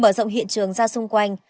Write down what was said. mở rộng hiện trường ra xung quanh